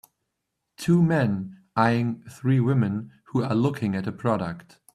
Two men eeyeing three women who are looking at a product.